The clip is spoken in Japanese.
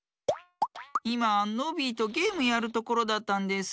いまノビーとゲームやるところだったんです。